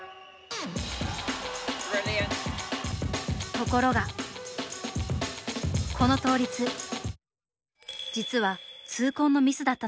ところがこの倒立実は痛恨のミスだったのです。